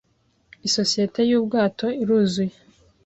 isosiyete y'ubwato iruzuye! ”